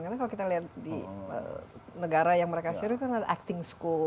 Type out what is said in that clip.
karena kalau kita lihat di negara yang mereka asyik itu kan ada acting school